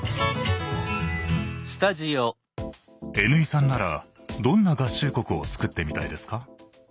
Ｎ井さんならどんな合衆国をつくってみたいですか？